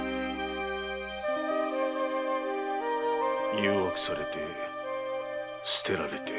誘惑されて棄てられて。